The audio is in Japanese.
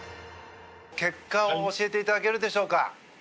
結果を教えていただけるでしょうか。